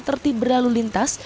tertib berlalu lintas